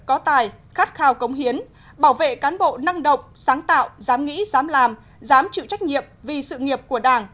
có tài khát khao cống hiến bảo vệ cán bộ năng động sáng tạo dám nghĩ dám làm dám chịu trách nhiệm vì sự nghiệp của đảng